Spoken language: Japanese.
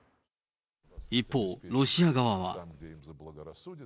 一方、ロシア側は。